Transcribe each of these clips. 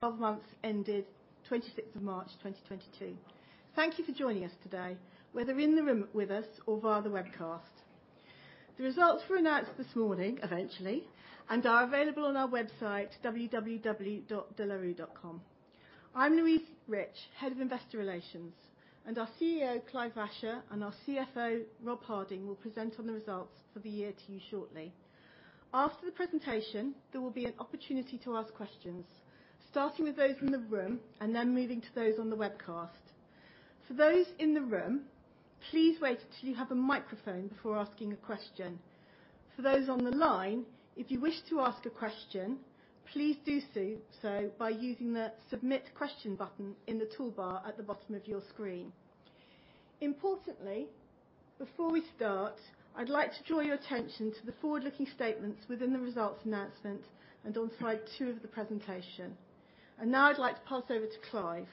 For the twelve months ended 26th March 2022. Thank you for joining us today, whether in the room with us or via the webcast. The results were announced this morning and are available on our website www.delarue.com. I'm Louise Rich, Head of Investor Relations, and our CEO, Clive Vacher, and our CFO, Rob Harding, will present on the results for the year to you shortly. After the presentation, there will be an opportunity to ask questions, starting with those in the room and then moving to those on the webcast. For those in the room, please wait until you have a microphone before asking a question. For those on the line, if you wish to ask a question, please do so by using the Submit Question button in the toolbar at the bottom of your screen. Importantly, before we start, I'd like to draw your attention to the forward-looking statements within the results announcement and on slide two of the presentation. Now I'd like to pass over to Clive.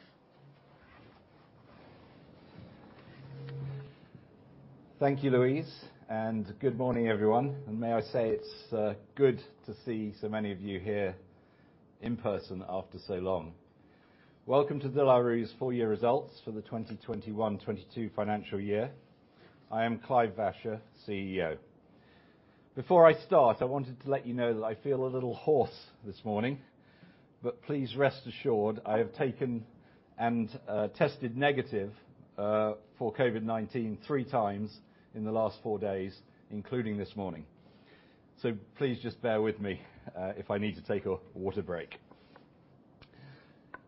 Thank you, Louise, and good morning, everyone. May I say it's good to see so many of you here in person after so long. Welcome to De La Rue's full year results for the 2021/2022 financial year. I am Clive Vacher, CEO. Before I start, I wanted to let you know that I feel a little hoarse this morning, but please rest assured I have taken and tested negative for COVID-19 three times in the last four days, including this morning. Please just bear with me if I need to take a water break.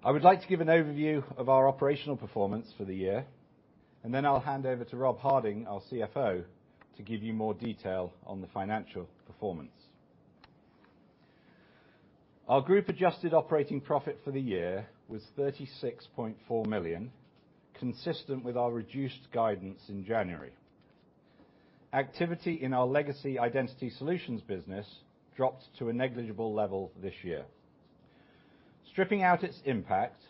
I would like to give an overview of our operational performance for the year, and then I'll hand over to Rob Harding, our CFO, to give you more detail on the financial performance. Our group adjusted operating profit for the year was 36.4 million, consistent with our reduced guidance in January. Activity in our legacy Identity Solutions business dropped to a negligible level this year. Stripping out its impact,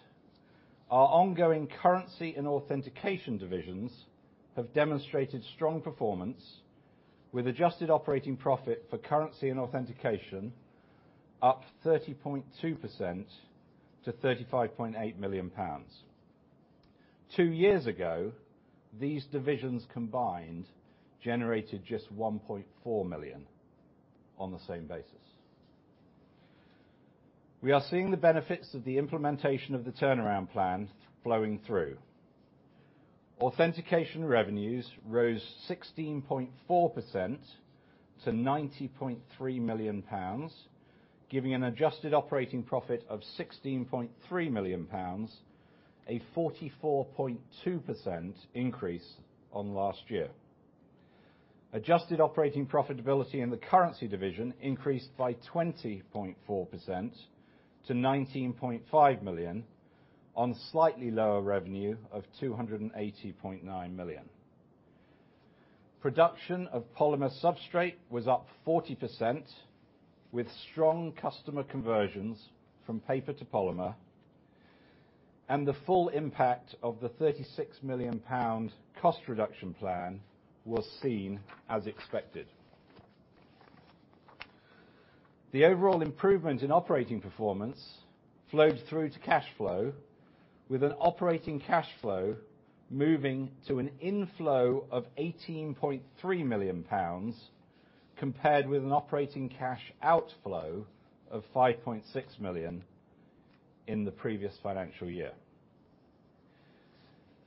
our ongoing Currency and Authentication divisions have demonstrated strong performance with adjusted operating profit for Currency and Authentication up 30.2% to GBP 35.8 million. Two years ago, these divisions combined generated just 1.4 million on the same basis. We are seeing the benefits of the implementation of the turnaround plan flowing through. Authentication revenues rose 16.4% to 90.3 million pounds, giving an adjusted operating profit of 16.3 million pounds, a 44.2% increase on last year. Adjusted operating profitability in the Currency division increased by 20.4% to 19.5 million on slightly lower revenue of 280.9 million. Production of polymer substrate was up 40%, with strong customer conversions from paper to polymer, and the full impact of the 36 million pound cost reduction plan was seen as expected. The overall improvement in operating performance flowed through to cash flow with an operating cash flow moving to an inflow of 18.3 million pounds compared with an operating cash outflow of 5.6 million in the previous financial year.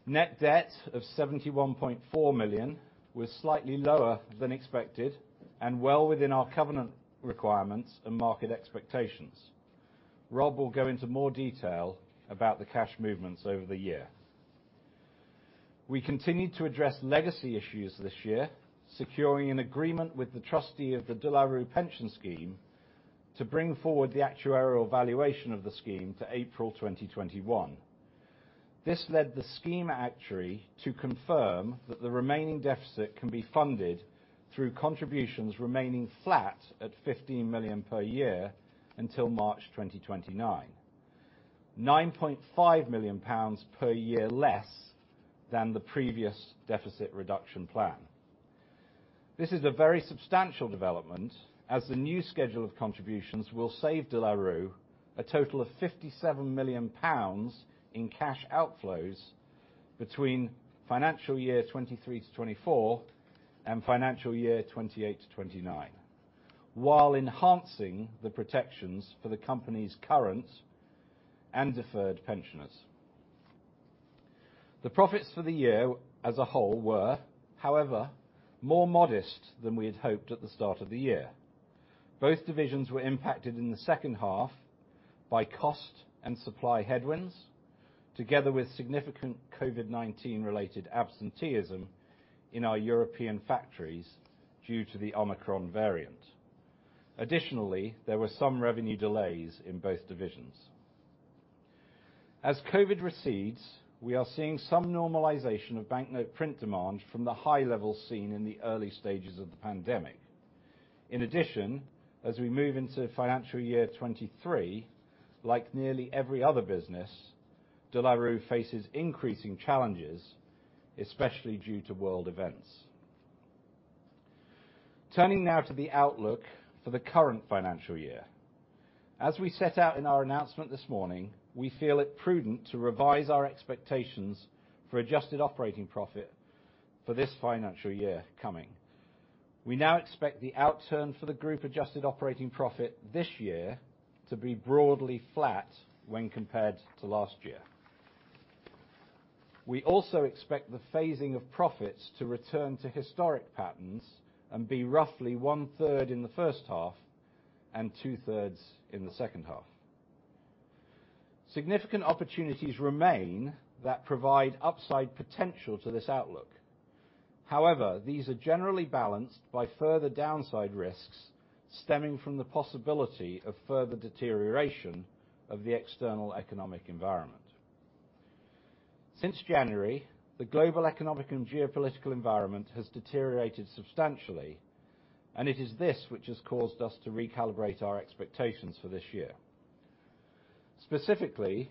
Net debt of 71.4 million was slightly lower than expected and well within our covenant requirements and market expectations. Rob will go into more detail about the cash movements over the year. We continued to address legacy issues this year, securing an agreement with the trustee of the De La Rue Pension Scheme to bring forward the actuarial valuation of the scheme to April 2021. This led the scheme actuary to confirm that the remaining deficit can be funded through contributions remaining flat at 15 million per year until March 2029. 9.5 million pounds per year less than the previous deficit reduction plan. This is a very substantial development as the new schedule of contributions will save De La Rue a total of 57 million pounds in cash outflows between financial year 2023-2024 and financial year 2028-2029, while enhancing the protections for the company's current and deferred pensioners. The profits for the year as a whole were, however, more modest than we had hoped at the start of the year. Both divisions were impacted in the second half by cost and supply headwinds, together with significant COVID-19 related absenteeism in our European factories due to the Omicron variant. Additionally, there were some revenue delays in both divisions. As COVID recedes, we are seeing some normalization of banknote print demand from the high levels seen in the early stages of the pandemic. In addition, as we move into financial year 2023, like nearly every other business, De La Rue faces increasing challenges, especially due to world events. Turning now to the outlook for the current financial year. As we set out in our announcement this morning, we feel it prudent to revise our expectations for adjusted operating profit for this financial year coming. We now expect the outturn for the group adjusted operating profit this year to be broadly flat when compared to last year. We also expect the phasing of profits to return to historic patterns and be roughly one-third in the first half, and two-thirds in the second half. Significant opportunities remain that provide upside potential to this outlook. However, these are generally balanced by further downside risks stemming from the possibility of further deterioration of the external economic environment. Since January, the global economic and geopolitical environment has deteriorated substantially, and it is this which has caused us to recalibrate our expectations for this year. Specifically,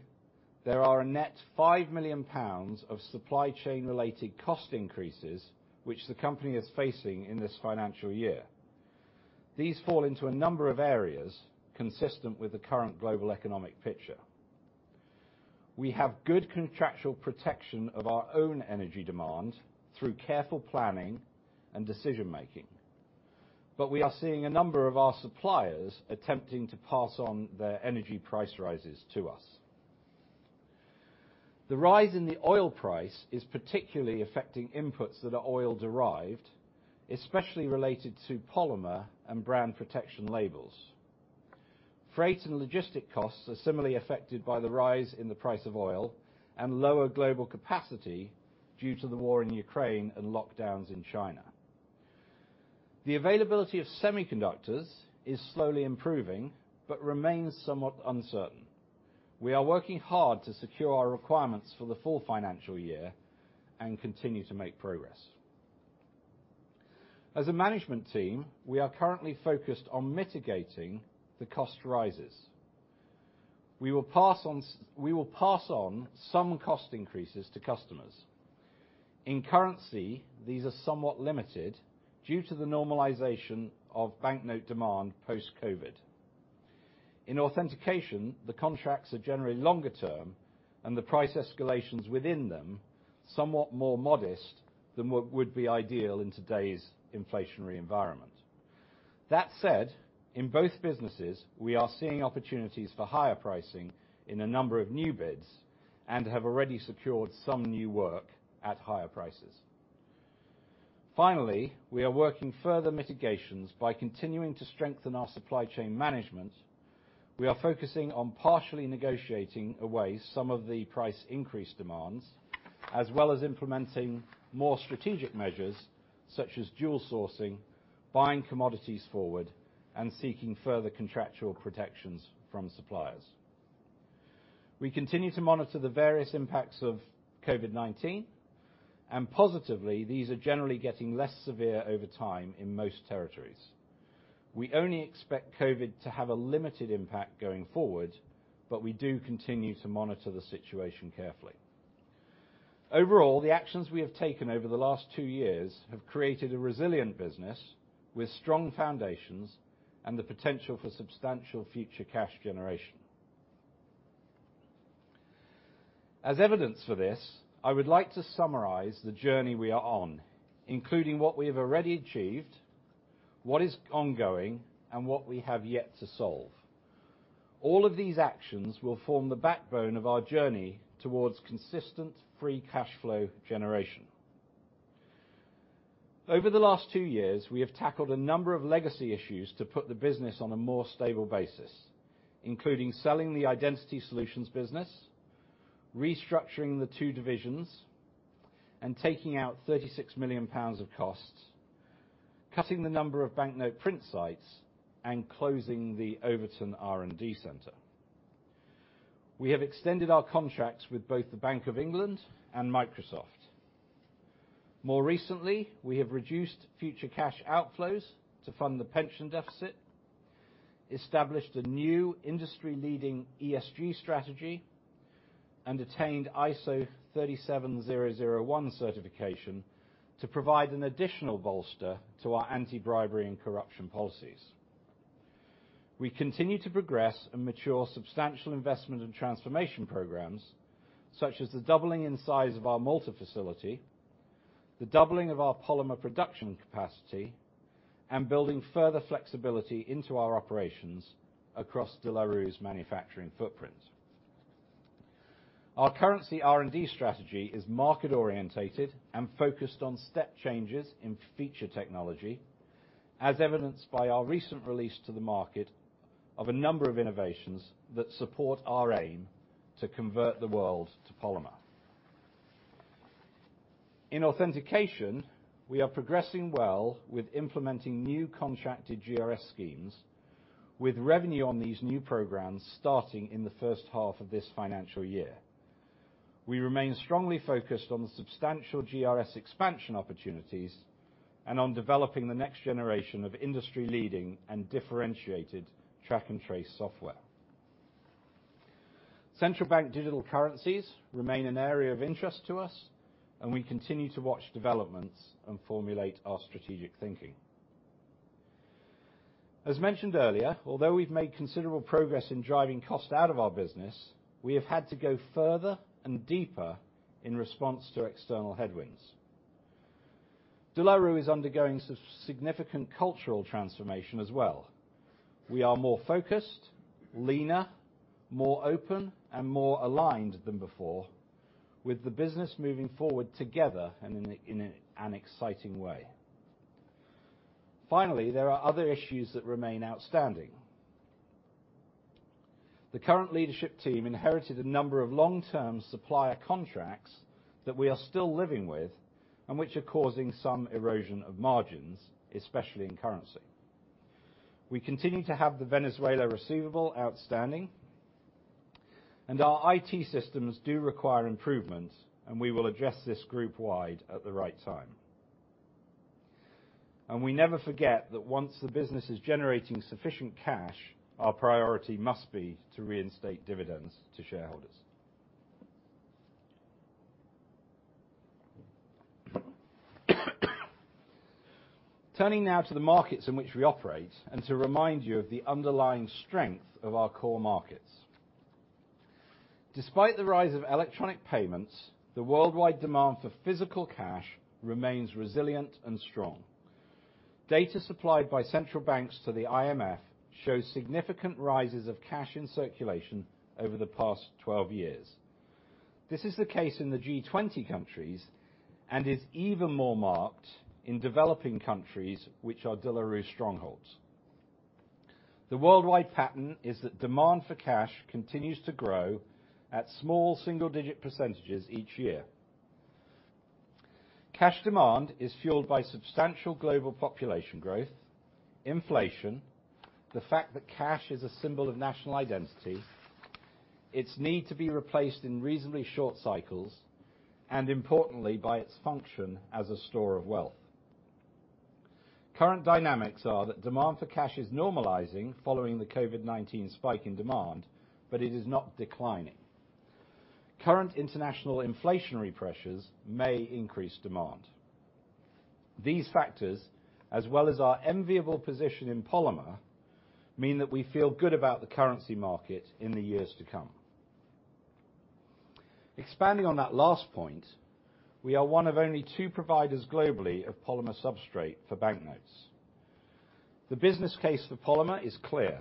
there are a net 5 million pounds of supply chain related cost increases which the company is facing in this financial year. These fall into a number of areas consistent with the current global economic picture. We have good contractual protection of our own energy demand through careful planning and decision-making, but we are seeing a number of our suppliers attempting to pass on their energy price rises to us. The rise in the oil price is particularly affecting inputs that are oil-derived, especially related to polymer and brand protection labels. Freight and logistic costs are similarly affected by the rise in the price of oil and lower global capacity due to the war in Ukraine and lockdowns in China. The availability of semiconductors is slowly improving but remains somewhat uncertain. We are working hard to secure our requirements for the full financial year and continue to make progress. As a management team, we are currently focused on mitigating the cost rises. We will pass on some cost increases to customers. In Currency, these are somewhat limited due to the normalization of banknote demand post-COVID. In Authentication, the contracts are generally longer term and the price escalations within them somewhat more modest than what would be ideal in today's inflationary environment. That said, in both businesses, we are seeing opportunities for higher pricing in a number of new bids, and have already secured some new work at higher prices. Finally, we are working further mitigations by continuing to strengthen our supply chain management. We are focusing on partially negotiating away some of the price increase demands, as well as implementing more strategic measures such as dual sourcing, buying commodities forward, and seeking further contractual protections from suppliers. We continue to monitor the various impacts of COVID-19, and positively, these are generally getting less severe over time in most territories. We only expect COVID to have a limited impact going forward, but we do continue to monitor the situation carefully. Overall, the actions we have taken over the last two years have created a resilient business with strong foundations and the potential for substantial future cash generation. As evidence for this, I would like to summarize the journey we are on, including what we have already achieved, what is ongoing, and what we have yet to solve. All of these actions will form the backbone of our journey towards consistent free cash flow generation. Over the last two years, we have tackled a number of legacy issues to put the business on a more stable basis, including selling the Identity Solutions business, restructuring the two divisions, and taking out 36 million pounds of costs, cutting the number of banknote print sites, and closing the Overton R&D center. We have extended our contracts with both the Bank of England and Microsoft. More recently, we have reduced future cash outflows to fund the pension deficit, established a new industry-leading ESG strategy, and attained ISO 37001 certification to provide an additional bolster to our anti-bribery and corruption policies. We continue to progress and mature substantial investment and transformation programs, such as the doubling in size of our Malta facility, the doubling of our polymer production capacity, and building further flexibility into our operations across De La Rue's manufacturing footprint. Our currency R&D strategy is market-oriented and focused on step changes in feature technology, as evidenced by our recent release to the market of a number of innovations that support our aim to convert the world to polymer. In Authentication, we are progressing well with implementing new contracted GRS schemes with revenue on these new programs starting in the first half of this financial year. We remain strongly focused on the substantial GRS expansion opportunities and on developing the next generation of industry leading and differentiated track and trace software. Central bank digital currencies remain an area of interest to us, and we continue to watch developments and formulate our strategic thinking. As mentioned earlier, although we've made considerable progress in driving cost out of our business, we have had to go further and deeper in response to external headwinds. De La Rue is undergoing significant cultural transformation as well. We are more focused, leaner, more open, and more aligned than before, with the business moving forward together and in an exciting way. Finally, there are other issues that remain outstanding. The current leadership team inherited a number of long-term supplier contracts that we are still living with and which are causing some erosion of margins, especially in currency. We continue to have the Venezuela receivable outstanding, and our IT systems do require improvement, and we will address this group wide at the right time. We never forget that once the business is generating sufficient cash, our priority must be to reinstate dividends to shareholders. Turning now to the markets in which we operate, and to remind you of the underlying strength of our core markets. Despite the rise of electronic payments, the worldwide demand for physical cash remains resilient and strong. Data supplied by central banks to the IMF shows significant rises of cash in circulation over the past 12 years. This is the case in the G20 countries and is even more marked in developing countries which are De La Rue strongholds. The worldwide pattern is that demand for cash continues to grow at small single-digit percentages each year. Cash demand is fueled by substantial global population growth, inflation, the fact that cash is a symbol of national identity, its need to be replaced in reasonably short cycles, and importantly, by its function as a store of wealth. Current dynamics are that demand for cash is normalizing following the COVID-19 spike in demand, but it is not declining. Current international inflationary pressures may increase demand. These factors, as well as our enviable position in polymer, mean that we feel good about the currency market in the years to come. Expanding on that last point, we are one of only two providers globally of polymer substrate for banknotes. The business case for polymer is clear.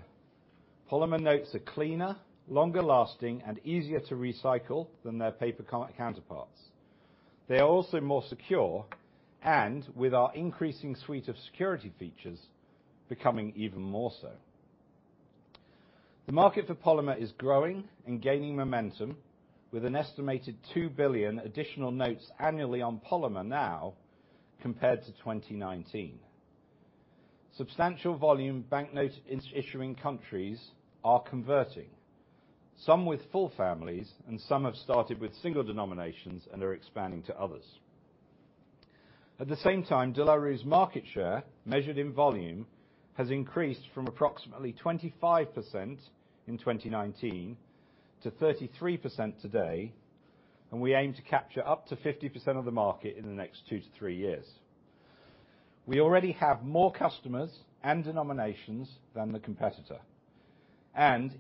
Polymer notes are cleaner, longer-lasting, and easier to recycle than their paper counterparts. They are also more secure, and with our increasing suite of security features becoming even more so. The market for polymer is growing and gaining momentum with an estimated 2 billion additional notes annually on polymer now compared to 2019. Substantial volume banknote-issuing countries are converting, some with full families, and some have started with single denominations and are expanding to others. At the same time, De La Rue's market share, measured in volume, has increased from approximately 25% in 2019 to 33% today, and we aim to capture up to 50% of the market in the next 2-3 years. We already have more customers and denominations than the competitor.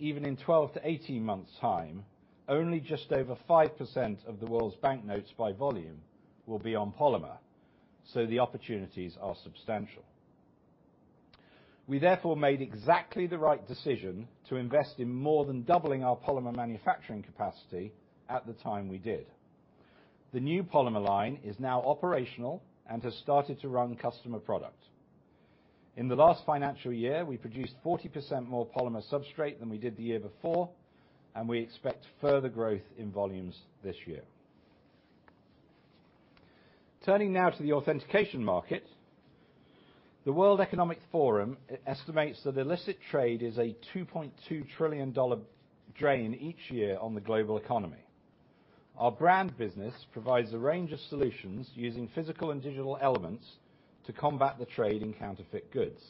Even in 12-18 months' time, only just over 5% of the world's banknotes by volume will be on polymer, so the opportunities are substantial. We therefore made exactly the right decision to invest in more than doubling our polymer manufacturing capacity at the time we did. The new polymer line is now operational and has started to run customer product. In the last financial year, we produced 40% more polymer substrate than we did the year before, and we expect further growth in volumes this year. Turning now to the authentication market. The World Economic Forum estimates that illicit trade is a $2.2 trillion drain each year on the global economy. Our brand business provides a range of solutions using physical and digital elements to combat the trade in counterfeit goods.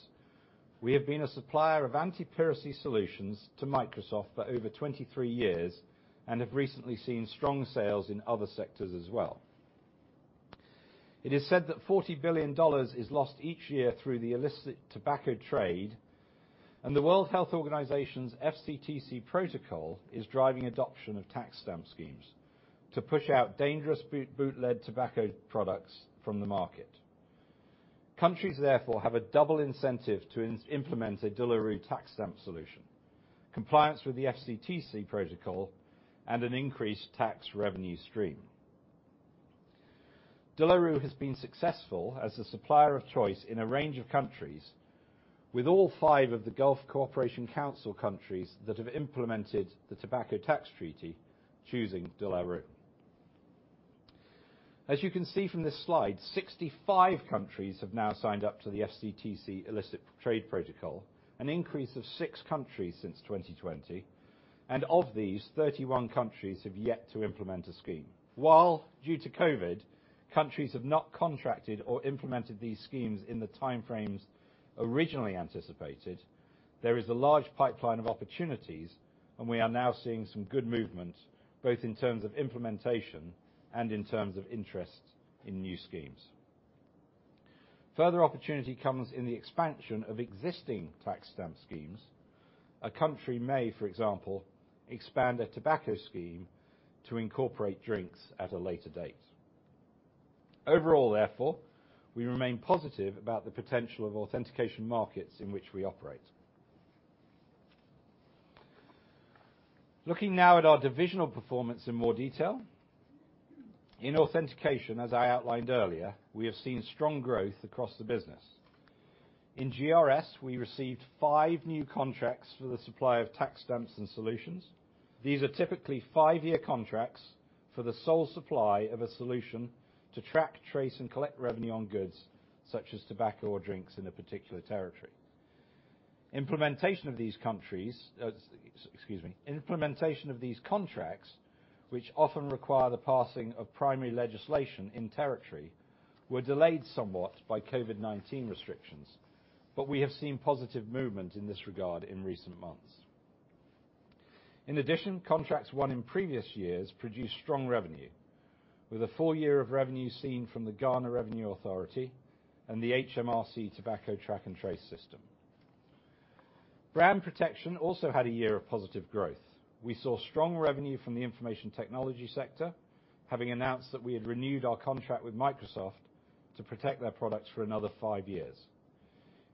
We have been a supplier of anti-piracy solutions to Microsoft for over 23 years and have recently seen strong sales in other sectors as well. It is said that $40 billion is lost each year through the illicit tobacco trade, and the World Health Organization's FCTC protocol is driving adoption of tax stamp schemes to push out dangerous bootleg tobacco products from the market. Countries therefore have a double incentive to implement a De La Rue tax stamp solution. Compliance with the FCTC protocol and an increased tax revenue stream. De La Rue has been successful as the supplier of choice in a range of countries with all five of the Gulf Cooperation Council countries that have implemented the tobacco tax treaty choosing De La Rue. As you can see from this slide, 65 countries have now signed up to the FCTC illicit trade protocol, an increase of six countries since 2020, and of these 31 countries have yet to implement a scheme. While due to COVID, countries have not contracted or implemented these schemes in the time frames originally anticipated. There is a large pipeline of opportunities, and we are now seeing some good movement, both in terms of implementation and in terms of interest in new schemes. Further opportunity comes in the expansion of existing tax stamp schemes. A country may, for example, expand a tobacco scheme to incorporate drinks at a later date. Overall, therefore, we remain positive about the potential of authentication markets in which we operate. Looking now at our divisional performance in more detail. In authentication, as I outlined earlier, we have seen strong growth across the business. In GRS, we received five new contracts for the supply of tax stamps and solutions. These are typically five-year contracts for the sole supply of a solution to track, trace, and collect revenue on goods, such as tobacco or drinks in a particular territory. Implementation of these contracts, which often require the passing of primary legislation in territory, were delayed somewhat by COVID-19 restrictions, but we have seen positive movement in this regard in recent months. In addition, contracts won in previous years produced strong revenue, with a full year of revenue seen from the Ghana Revenue Authority and the HMRC Tobacco Track and Trace system. Brand protection also had a year of positive growth. We saw strong revenue from the information technology sector, having announced that we had renewed our contract with Microsoft to protect their products for another five years.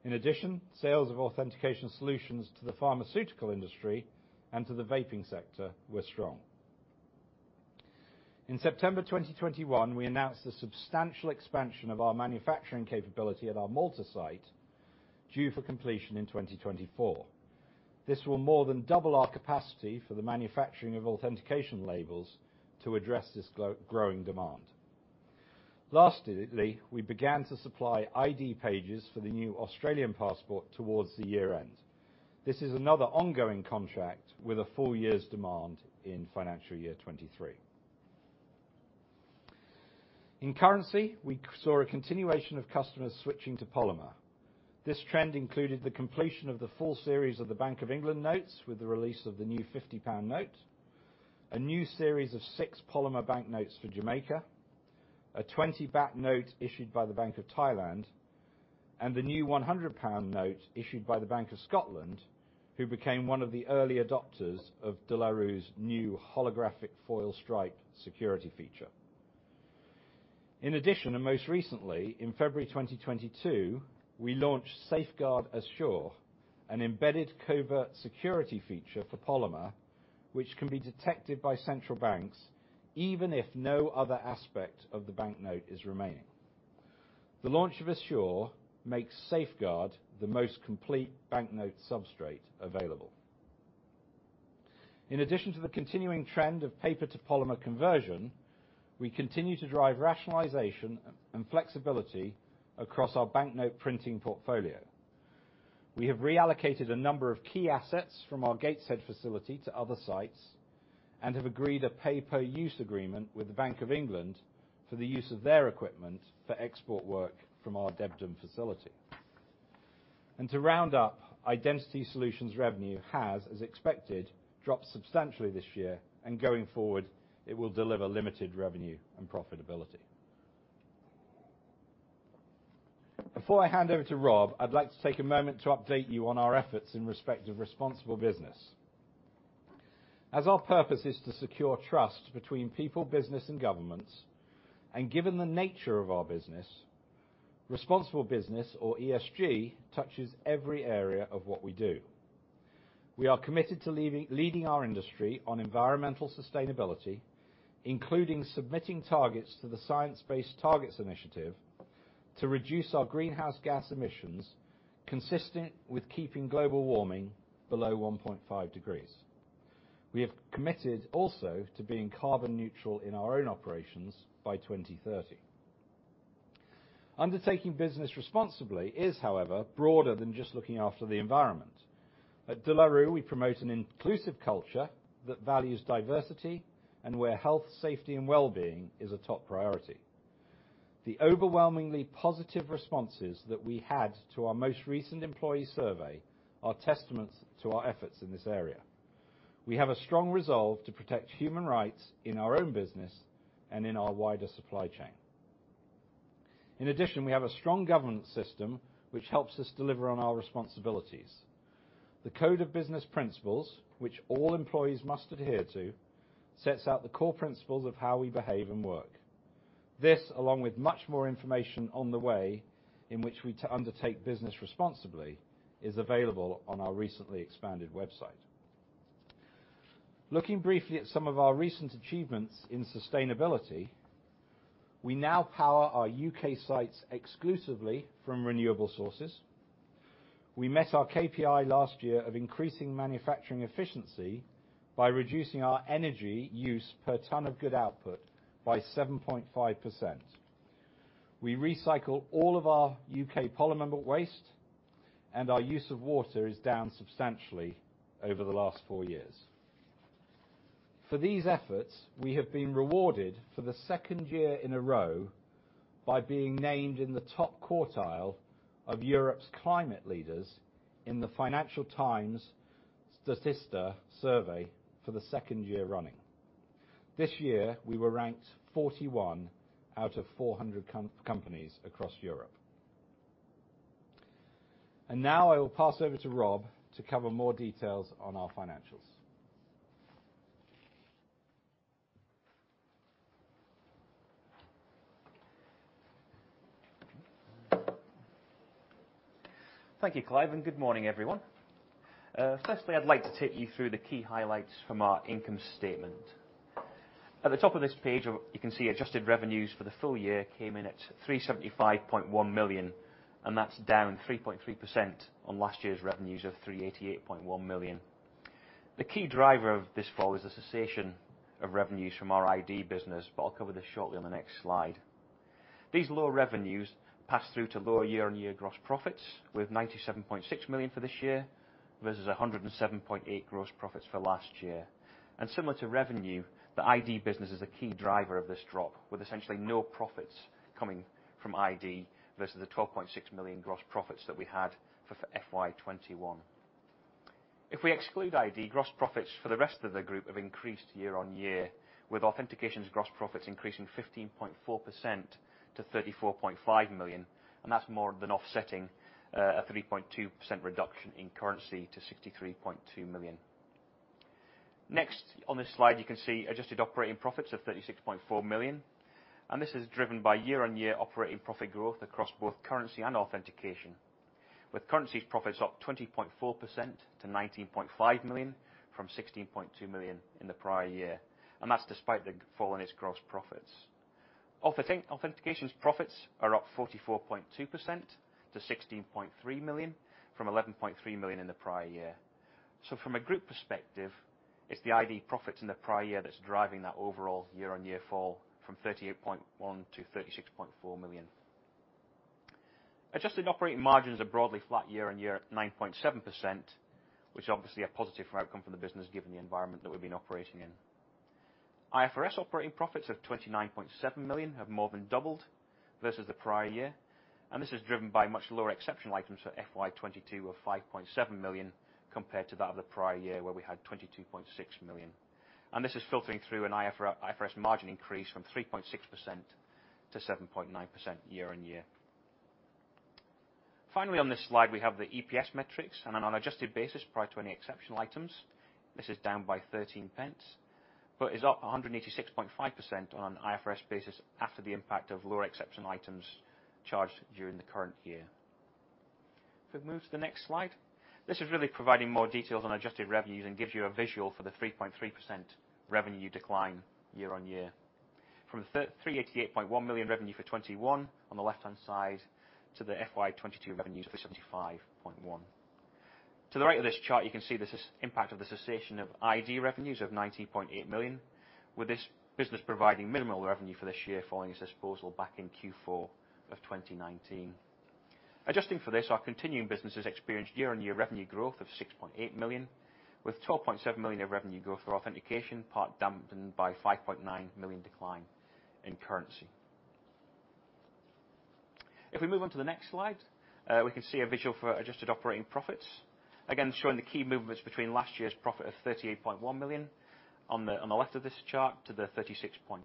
In addition, sales of Authentication solutions to the pharmaceutical industry and to the vaping sector were strong. In September 2021, we announced the substantial expansion of our manufacturing capability at our Malta site, due for completion in 2024. This will more than double our capacity for the manufacturing of Authentication labels to address this growing demand. Lastly, we began to supply ID pages for the new Australian passport towards the year-end. This is another ongoing contract with a full year's demand in financial year 2023. In Currency, we saw a continuation of customers switching to polymer. This trend included the completion of the full series of the Bank of England notes with the release of the new 50 pound note, a new series of six polymer banknotes for Jamaica, a BHT 20 note issued by the Bank of Thailand, and the new 100 pound note issued by the Bank of Scotland, who became one of the early adopters of De La Rue's new holographic foil stripe security feature. In addition, and most recently, in February 2022, we launched Safeguard Assure, an embedded covert security feature for polymer, which can be detected by central banks even if no other aspect of the banknote is remaining. The launch of Assure makes Safeguard the most complete banknote substrate available. In addition to the continuing trend of paper to polymer conversion, we continue to drive rationalization and flexibility across our banknote printing portfolio. We have reallocated a number of key assets from our Gateshead facility to other sites and have agreed a pay-per-use agreement with the Bank of England for the use of their equipment for export work from our Debden facility. To round up, Identity Solutions revenue has, as expected, dropped substantially this year, and going forward, it will deliver limited revenue and profitability. Before I hand over to Rob, I'd like to take a moment to update you on our efforts in respect of responsible business. As our purpose is to secure trust between people, business, and governments, and given the nature of our business, responsible business or ESG touches every area of what we do. We are committed to leading our industry on environmental sustainability, including submitting targets to the Science Based Targets initiative to reduce our greenhouse gas emissions consistent with keeping global warming below 1.5 degrees. We have committed also to being carbon neutral in our own operations by 2030. Undertaking business responsibly is, however, broader than just looking after the environment. At De La Rue, we promote an inclusive culture that values diversity and where health, safety, and well-being is a top priority. The overwhelmingly positive responses that we had to our most recent employee survey are testament to our efforts in this area. We have a strong resolve to protect human rights in our own business and in our wider supply chain. In addition, we have a strong governance system which helps us deliver on our responsibilities. The Code of Business Principles, which all employees must adhere to, sets out the core principles of how we behave and work. This, along with much more information on the way in which we undertake business responsibly, is available on our recently expanded website. Looking briefly at some of our recent achievements in sustainability, we now power our U.K. sites exclusively from renewable sources. We met our KPI last year of increasing manufacturing efficiency by reducing our energy use per ton of good output by 7.5%. We recycle all of our U.K. polymer waste, and our use of water is down substantially over the last four years. For these efforts, we have been rewarded for the second year in a row by being named in the top quartile of Europe's climate leaders in the Financial Times' Statista survey for the second year running. This year, we were ranked 41 out of 400 companies across Europe. Now I will pass over to Rob to cover more details on our financials. Thank you, Clive, and good morning, everyone. Firstly, I'd like to take you through the key highlights from our income statement. At the top of this page, you can see adjusted revenues for the full year came in at 375.1 million, and that's down 3.3% on last year's revenues of 388.1 million. The key driver of this fall is the cessation of revenues from our ID business, but I'll cover this shortly on the next slide. These lower revenues pass through to lower year-on-year gross profits with 97.6 million for this year versus 107.8 million gross profits for last year. Similar to revenue, the ID business is a key driver of this drop, with essentially no profits coming from ID versus the 12.6 million gross profits that we had for FY 2021. If we exclude ID, gross profits for the rest of the group have increased year-on-year, with Authentication's gross profits increasing 15.4% to 34.5 million, and that's more than offsetting a 3.2% reduction in currency to 63.2 million. Next, on this slide, you can see adjusted operating profits of 36.4 million, and this is driven by year-on-year operating profit growth across both Currency and Authentication. With Currency's profits up 20.4% to 19.5 million from 16.2 million in the prior year, and that's despite the fall in its gross profits. Authentication's profits are up 44.2% to 16.3 million from 11.3 million in the prior year. From a group perspective, it's the ID profits in the prior year that's driving that overall year-on-year fall from 38.1 million to 36.4 million. Adjusted operating margins are broadly flat year-on-year at 9.7%, which is obviously a positive outcome for the business given the environment that we've been operating in. IFRS operating profits of 29.7 million have more than doubled versus the prior year, and this is driven by much lower exceptional items for FY 2022 of 5.7 million, compared to that of the prior year, where we had 22.6 million. This is filtering through an IFRS margin increase from 3.6% to 7.9% year-on-year. Finally, on this slide, we have the EPS metrics, and on an adjusted basis, prior to any exceptional items, this is down by 0.13, but is up 186.5% on an IFRS basis after the impact of lower exceptional items charged during the current year. If we move to the next slide, this is really providing more details on adjusted revenues and gives you a visual for the 3.3% revenue decline year-on-year. From 388.1 million revenue for 2021 on the left-hand side to the FY 2022 revenues of 375.1 million. To the right of this chart, you can see the impact of the cessation of ID revenues of 19.8 million, with this business providing minimal revenue for this year following its disposal back in Q4 of 2019. Adjusting for this, our continuing businesses experienced year-on-year revenue growth of 6.8 million, with 12.7 million of revenue growth for Authentication, part dampened by 5.9 million decline in Currency. If we move on to the next slide, we can see a visual for adjusted operating profits. Again, showing the key movements between last year's profit of 38.1 million on the left of this chart to the 36.4 million.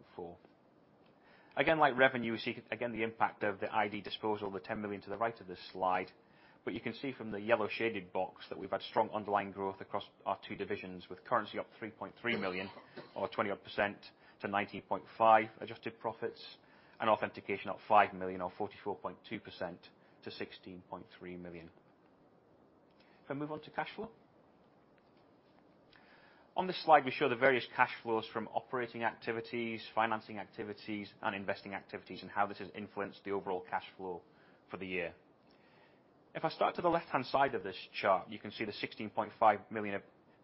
Again, like revenue, you see again the impact of the ID disposal, the 10 million to the right of this slide. You can see from the yellow shaded box that we've had strong underlying growth across our two divisions with Currency up 3.3 million or 20-odd percent to 19.5 million adjusted profits and Authentication up 5 million or 44.2% to 16.3 million. If I move on to cash flow. On this slide, we show the various cash flows from operating activities, financing activities, and investing activities and how this has influenced the overall cash flow for the year. If I start to the left-hand side of this chart, you can see the 16.5 million of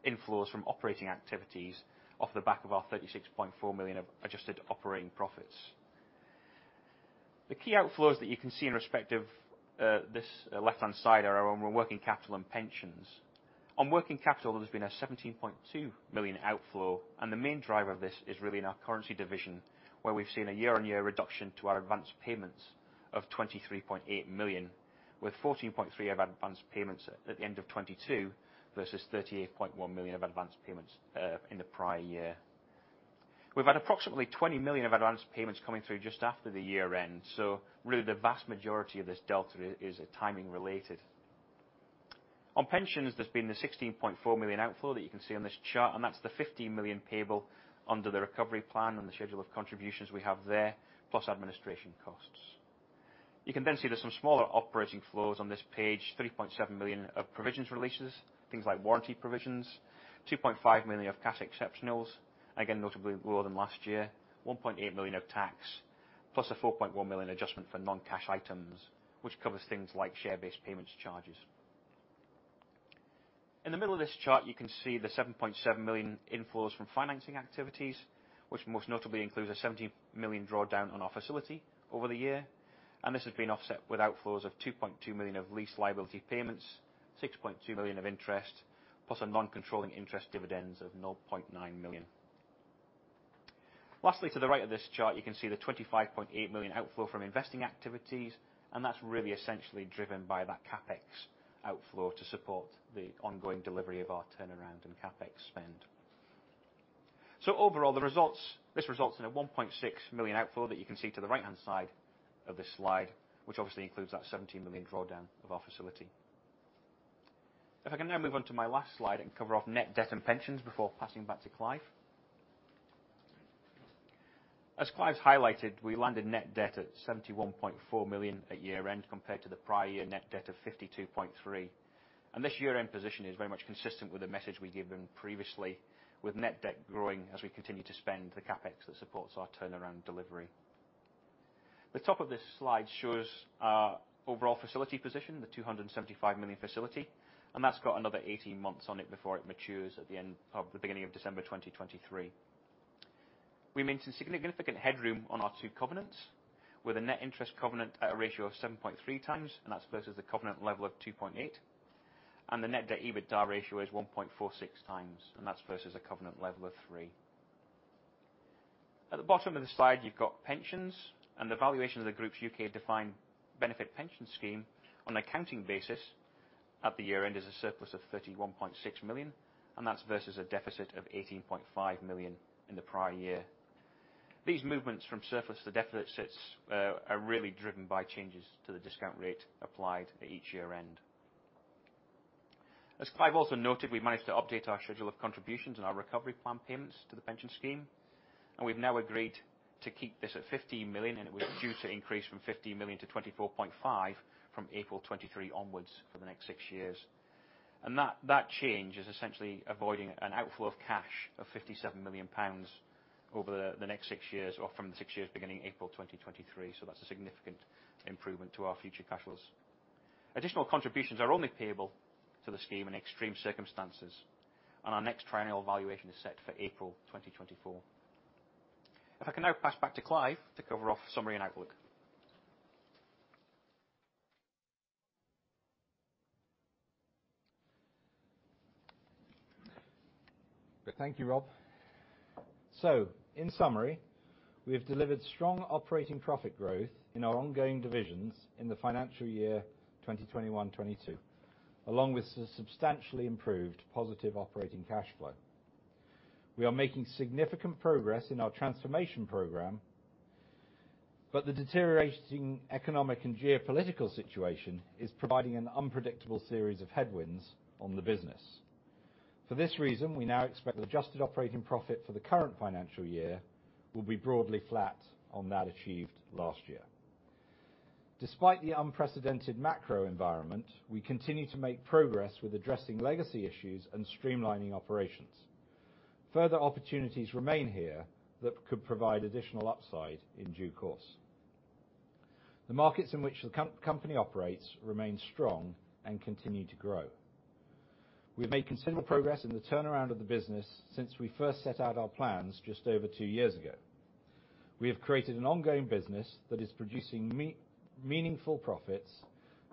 inflows from operating activities off the back of our 36.4 million of adjusted operating profits. The key outflows that you can see in respect of this left-hand side are our own working capital and pensions. On working capital, there's been a 17.2 million outflow, and the main driver of this is really in our Currency division, where we've seen a year-on-year reduction to our advanced payments of 23.8 million, with 14.3 million of advanced payments at the end of 2022 versus 38.1 million of advanced payments in the prior year. We've had approximately 20 million of advanced payments coming through just after the year end. Really the vast majority of this delta is timing related. On pensions, there's been the 16.4 million outflow that you can see on this chart, and that's the 15 million payable under the recovery plan and the schedule of contributions we have there, plus administration costs. You can then see there's some smaller operating flows on this page, 3.7 million of provisions releases, things like warranty provisions, 2.5 million of cash exceptionals, again, notably lower than last year, 1.8 million of tax, plus a 4.1 million adjustment for non-cash items, which covers things like share-based payments charges. In the middle of this chart, you can see the 7.7 million inflows from financing activities, which most notably includes a 17 million drawdown on our facility over the year. This has been offset with outflows of 2.2 million of lease liability payments, 6.2 million of interest, plus a non-controlling interest dividends of 0.9 million. Lastly, to the right of this chart, you can see the 25.8 million outflow from investing activities, and that's really essentially driven by that CapEx outflow to support the ongoing delivery of our turnaround and CapEx spend. Overall, this results in a 1.6 million outflow that you can see to the right-hand side of this slide, which obviously includes that 17 million drawdown of our facility. If I can now move on to my last slide and cover off net debt and pensions before passing back to Clive. As Clive's highlighted, we landed net debt at 71.4 million at year-end compared to the prior year net debt of 52.3 million. This year-end position is very much consistent with the message we've given previously, with net debt growing as we continue to spend the CapEx that supports our turnaround delivery. The top of this slide shows our overall facility position, the 275 million facility, and that's got another 18 months on it before it matures at the beginning of December 2023. We maintain significant headroom on our two covenants, with a net interest covenant at a ratio of 7.3x, and that's versus the covenant level of 2.8x. The net debt EBITDA ratio is 1.46x, and that's versus a covenant level of three. At the bottom of the slide, you've got pensions, and the valuation of the group's U.K. defined benefit pension scheme on an accounting basis at the year-end is a surplus of 31.6 million, and that's versus a deficit of 18.5 million in the prior year. These movements from surplus to deficits are really driven by changes to the discount rate applied at each year-end. As Clive also noted, we managed to update our schedule of contributions and our recovery plan payments to the pension scheme, and we've now agreed to keep this at 15 million, and it was due to increase from 15 million to 24.5 million from April 2023 onwards for the next six years. That change is essentially avoiding an outflow of cash of 57 million pounds over the next six years or from the six years beginning April 2023. That's a significant improvement to our future cash flows. Additional contributions are only payable to the scheme in extreme circumstances, and our next triennial valuation is set for April 2024. If I can now pass back to Clive to cover off summary and outlook. Thank you, Rob. In summary, we have delivered strong operating profit growth in our ongoing divisions in the financial year 2021, 2022, along with substantially improved positive operating cash flow. We are making significant progress in our transformation program, but the deteriorating economic and geopolitical situation is providing an unpredictable series of headwinds on the business. For this reason, we now expect adjusted operating profit for the current financial year will be broadly flat on that achieved last year. Despite the unprecedented macro environment, we continue to make progress with addressing legacy issues and streamlining operations. Further opportunities remain here that could provide additional upside in due course. The markets in which the company operates remain strong and continue to grow. We've made considerable progress in the turnaround of the business since we first set out our plans just over two years ago. We have created an ongoing business that is producing meaningful profits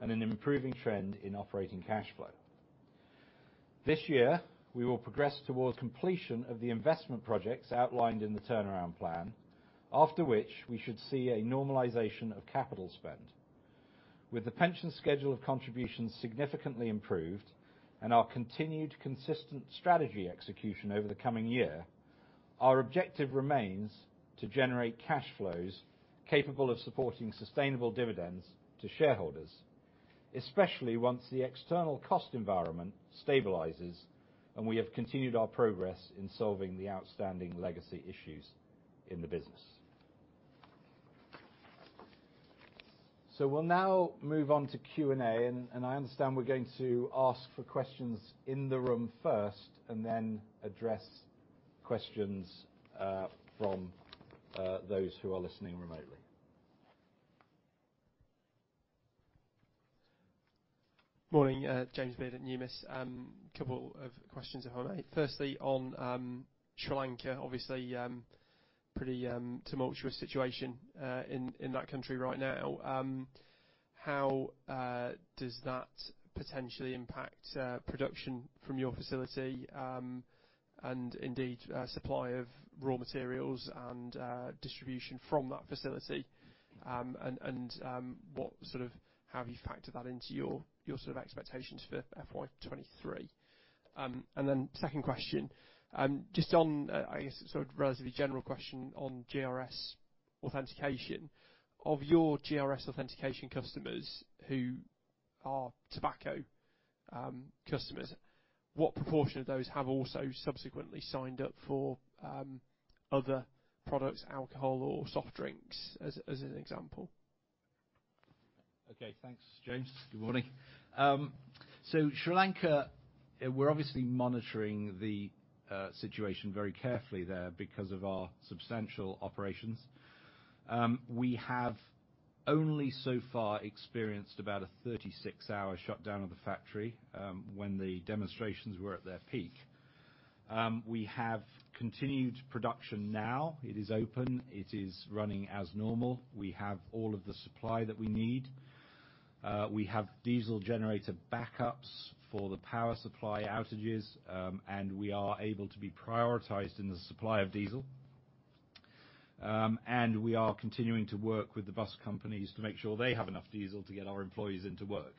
and an improving trend in operating cash flow. This year, we will progress towards completion of the investment projects outlined in the turnaround plan, after which we should see a normalization of capital spend. With the pension schedule of contributions significantly improved and our continued consistent strategy execution over the coming year, our objective remains to generate cash flows capable of supporting sustainable dividends to shareholders, especially once the external cost environment stabilizes and we have continued our progress in solving the outstanding legacy issues in the business. We'll now move on to Q&A, and I understand we're going to ask for questions in the room first and then address questions from those who are listening remotely. Morning, James Beard at Numis. Couple of questions, if I may. Firstly, on Sri Lanka, obviously, pretty tumultuous situation in that country right now. How does that potentially impact production from your facility and indeed supply of raw materials and distribution from that facility? Have you factored that into your sort of expectations for FY 2023? Second question, just on, I guess, sort of relatively general question on GRS authentication. Of your GRS authentication customers who are tobacco customers, what proportion of those have also subsequently signed up for other products, alcohol or soft drinks, as an example? Okay. Thanks, James. Good morning. Sri Lanka, we're obviously monitoring the situation very carefully there because of our substantial operations. We have only so far experienced about a 36-hour shutdown of the factory when the demonstrations were at their peak. We have continued production now. It is open. It is running as normal. We have all of the supply that we need. We have diesel generator backups for the power supply outages. We are able to be prioritized in the supply of diesel. We are continuing to work with the bus companies to make sure they have enough diesel to get our employees into work.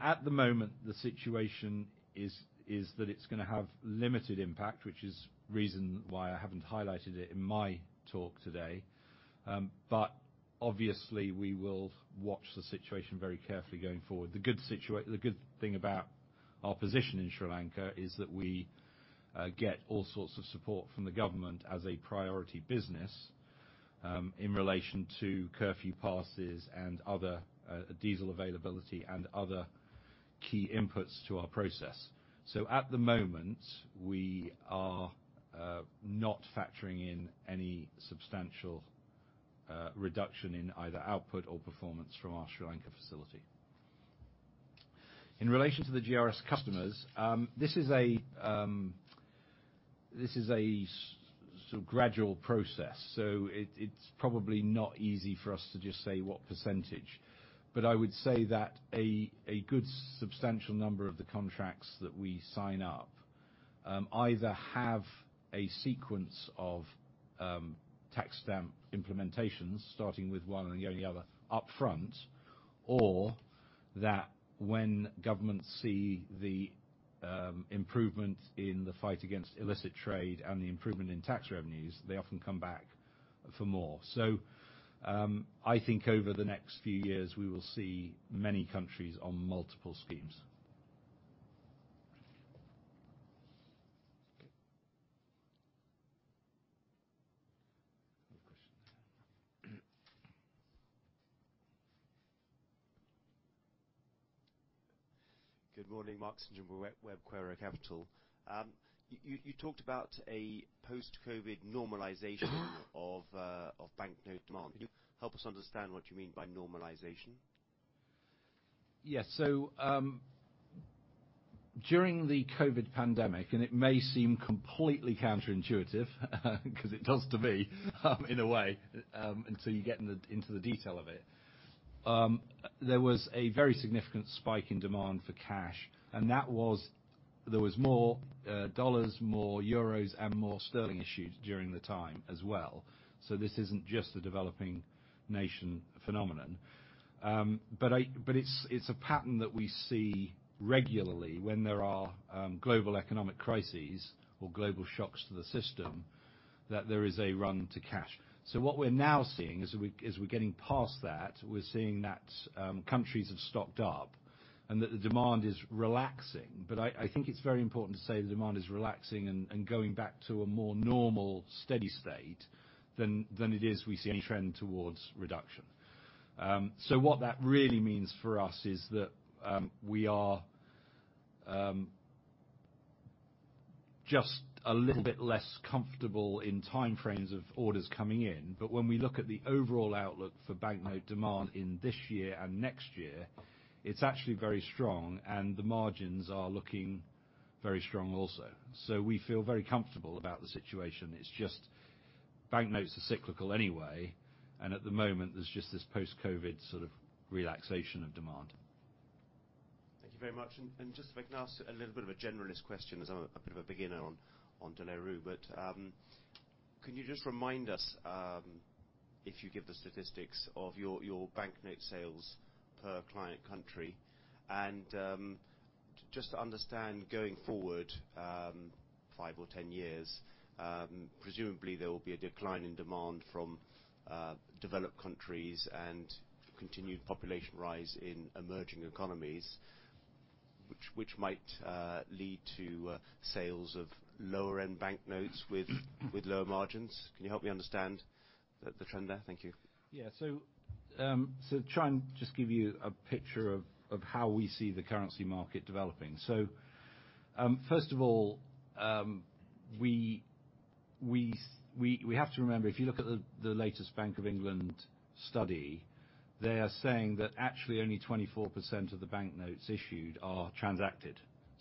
At the moment, the situation is that it's gonna have limited impact, which is reason why I haven't highlighted it in my talk today. Obviously we will watch the situation very carefully going forward. The good thing about our position in Sri Lanka is that we get all sorts of support from the government as a priority business in relation to curfew passes and other diesel availability and other key inputs to our process. At the moment, we are not factoring in any substantial reduction in either output or performance from our Sri Lanka facility. In relation to the GRS customers, this is a sort of gradual process, it's probably not easy for us to just say what percentage. I would say that a good substantial number of the contracts that we sign up, either have a sequence of tax stamp implementations, starting with one and then the only other up front, or that when governments see the improvement in the fight against illicit trade and the improvement in tax revenues, they often come back for more. I think over the next few years, we will see many countries on multiple schemes. Good morning. Mark with Baqueira Capital. You talked about a post-COVID normalization of banknote demand. Can you help us understand what you mean by normalization? Yes. During the COVID pandemic, and it may seem completely counterintuitive 'cause it does to me, in a way, until you get into the detail of it, there was a very significant spike in demand for cash, and that was more dollars, more euros and more sterling issues during the time as well. This isn't just a developing nation phenomenon. But it's a pattern that we see regularly when there are global economic crises or global shocks to the system that there is a run to cash. What we're now seeing as we're getting past that, we're seeing that countries have stocked up and that the demand is relaxing. I think it's very important to say the demand is relaxing and going back to a more normal steady state than it is we see any trend towards reduction. What that really means for us is that we are just a little bit less comfortable in time frames of orders coming in. When we look at the overall outlook for banknote demand in this year and next year, it's actually very strong and the margins are looking very strong also. We feel very comfortable about the situation. It's just banknotes are cyclical anyway, and at the moment, there's just this post-COVID sort of relaxation of demand. Thank you very much. Just if I can ask a little bit of a generalist question, as I'm a bit of a beginner on De La Rue. Can you just remind us if you give the statistics of your banknote sales per client country and just to understand going forward, 5 or 10 years, presumably there will be a decline in demand from developed countries and continued population rise in emerging economies, which might lead to sales of lower-end banknotes with lower margins. Can you help me understand the trend there? Thank you. Try and just give you a picture of how we see the currency market developing. First of all, we have to remember, if you look at the latest Bank of England study, they are saying that actually only 24% of the banknotes issued are transacted.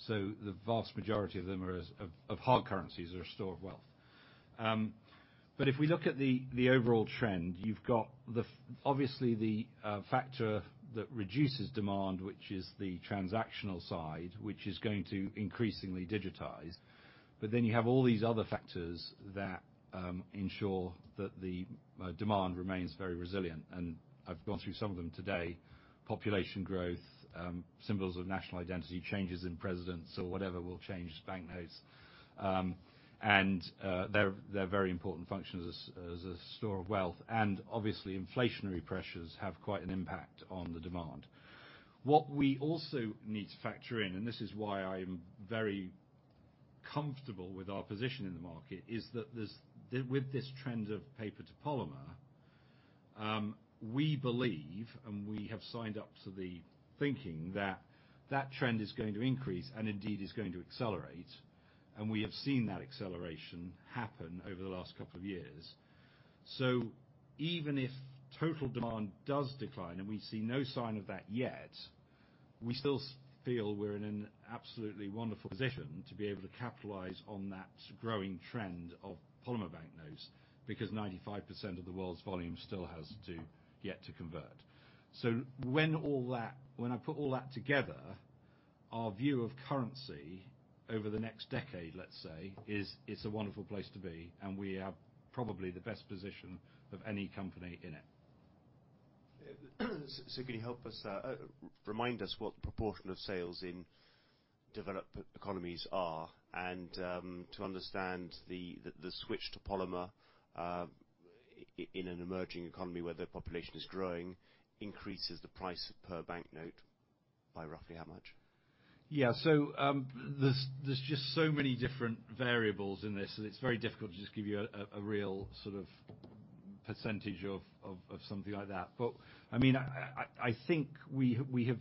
The vast majority of them are of hard currencies are a store of wealth. If we look at the overall trend, you've got obviously the factor that reduces demand, which is the transactional side, which is going to increasingly digitize. You have all these other factors that ensure that the demand remains very resilient. I've gone through some of them today. Population growth, symbols of national identity, changes in presidents or whatever will change banknotes. They're very important functions as a store of wealth. Obviously, inflationary pressures have quite an impact on the demand. What we also need to factor in, and this is why I'm very comfortable with our position in the market, is that there's with this trend of paper to polymer, we believe, and we have signed up to the thinking that that trend is going to increase and indeed is going to accelerate, and we have seen that acceleration happen over the last couple of years. Even if total demand does decline, and we see no sign of that yet, we still feel we're in an absolutely wonderful position to be able to capitalize on that growing trend of polymer banknotes, because 95% of the world's volume still has yet to convert. When I put all that together, our view of currency over the next decade, let's say, is it's a wonderful place to be, and we have probably the best position of any company in it. Can you help us out? Remind us what proportion of sales in developed economies are and, to understand the switch to polymer, in an emerging economy where the population is growing, increases the price per banknote by roughly how much? Yeah. There's just so many different variables in this, so it's very difficult to just give you a real sort of percentage of something like that. I mean, I think we have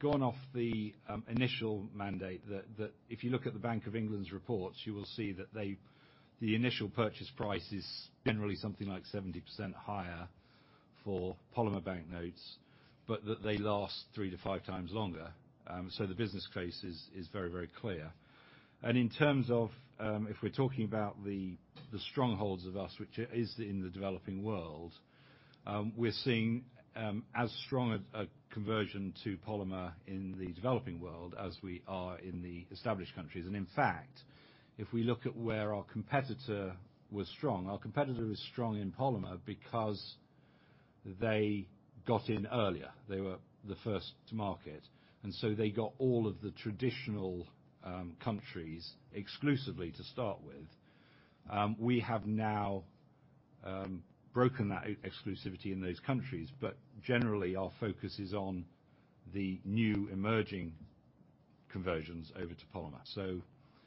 gone off the initial mandate that if you look at the Bank of England's reports, you will see that they. The initial purchase price is generally something like 70% higher for polymer banknotes, but that they last 3x-5x longer. The business case is very, very clear. In terms of if we're talking about the strongholds of us, which is in the developing world, we're seeing as strong a conversion to polymer in the developing world as we are in the established countries. In fact, if we look at where our competitor was strong, our competitor was strong in polymer because they got in earlier. They were the first to market, and so they got all of the traditional countries exclusively to start with. We have now broken that exclusivity in those countries, but generally our focus is on the new emerging conversions over to polymer.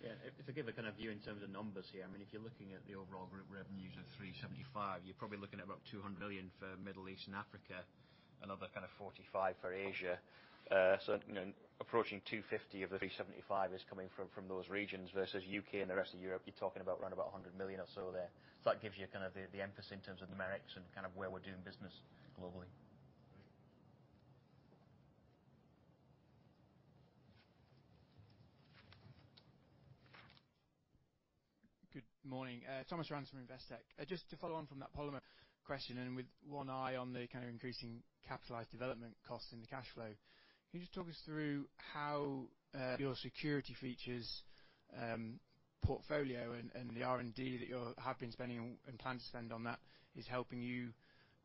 Yeah. To give a kind of view in terms of numbers here, I mean, if you're looking at the overall group revenues of 375 million, you're probably looking at about 200 million for Middle East and Africa, another kind of 45 for Asia. So, you know, approaching 250 of the 375 is coming from those regions versus U.K. and the rest of Europe, you're talking about around about 100 million or so there. That gives you kind of the emphasis in terms of the metrics and kind of where we're doing business globally. Good morning. Thomas Investec. Just to follow on from that polymer question, and with one eye on the kind of increasing capitalized development costs in the cash flow. Can you just talk us through how your security features portfolio and the R&D that you have been spending and plan to spend on that is helping you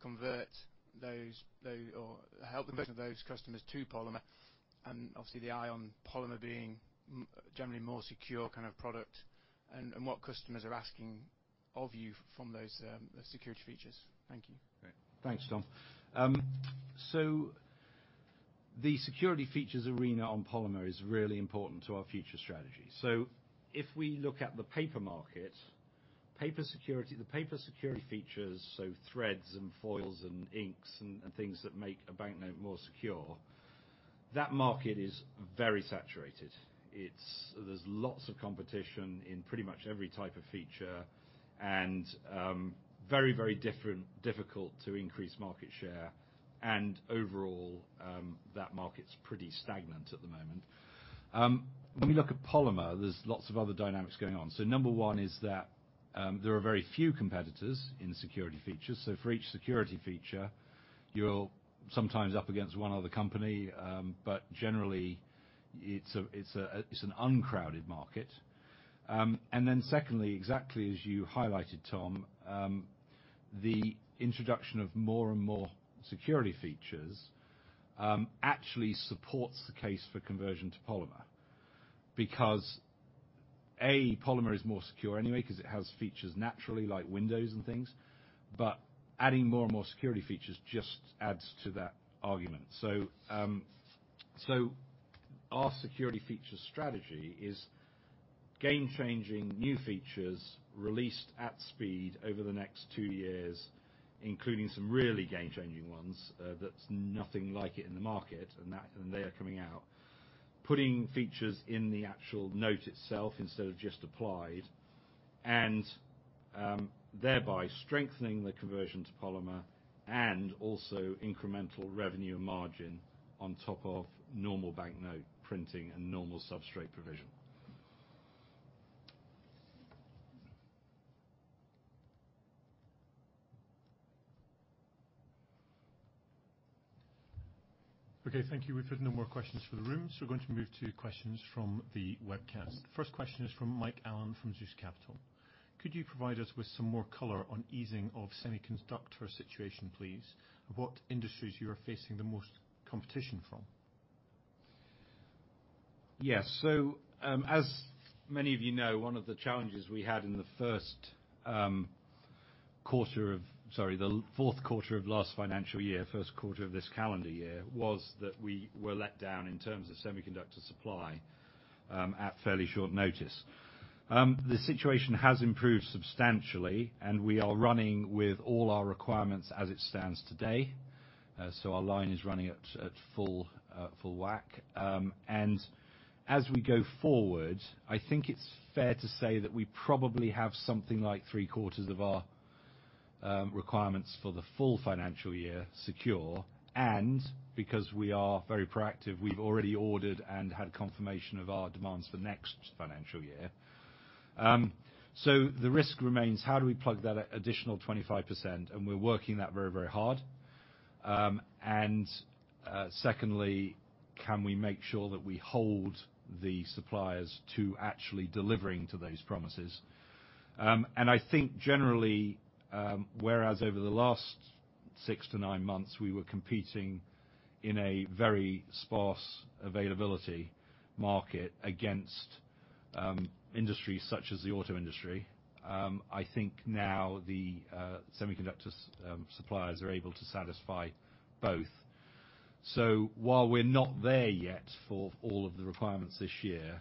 convert those, or help convert those customers to polymer? And obviously the eye on polymer being generally more secure kind of product and what customers are asking of you from those security features. Thank you. Great. Thanks, Tom. The security features arena on polymer is really important to our future strategy. If we look at the paper market, paper security, the paper security features, threads and foils and inks and things that make a banknote more secure, that market is very saturated. There's lots of competition in pretty much every type of feature and very difficult to increase market share and overall, that market's pretty stagnant at the moment. When we look at polymer, there's lots of other dynamics going on. Number one is that there are very few competitors in security features. For each security feature, you're sometimes up against one other company. Generally it's an uncrowded market. Secondly, exactly as you highlighted, Tom, the introduction of more and more security features actually supports the case for conversion to polymer. Because A, polymer is more secure anyway because it has features naturally like windows and things. But adding more and more security features just adds to that argument. Our security features strategy is game-changing new features released at speed over the next two years, including some really game-changing ones that's nothing like it in the market, and they are coming out. Putting features in the actual note itself instead of just applied, thereby strengthening the conversion to polymer and also incremental revenue margin on top of normal banknote printing and normal substrate provision. Okay, thank you. We've had no more questions from the room, so we're going to move to questions from the webcast. First question is from Mike Allen from Zeus Capital. Could you provide us with some more color on easing of semiconductor situation, please? What industries you are facing the most competition from? Yes. As many of you know, one of the challenges we had in the fourth quarter of last financial year, first quarter of this calendar year, was that we were let down in terms of semiconductor supply at fairly short notice. The situation has improved substantially, and we are running with all our requirements as it stands today. Our line is running at full whack. As we go forward, I think it's fair to say that we probably have something like three-quarters of our requirements for the full financial year secure, and because we are very proactive, we've already ordered and had confirmation of our demands for next financial year. The risk remains how do we plug that additional 25%, and we're working that very, very hard. Secondly, can we make sure that we hold the suppliers to actually delivering to those promises? I think generally, whereas over the last 6-9 months, we were competing in a very sparse availability market against industries such as the auto industry, I think now the semiconductor suppliers are able to satisfy both. While we're not there yet for all of the requirements this year,